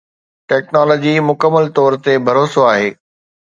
technology مڪمل طور تي ڀروسو آهي